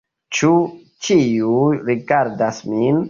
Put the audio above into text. Ĉu ĉiuj rigardas min?